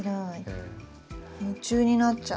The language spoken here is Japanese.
夢中になっちゃう。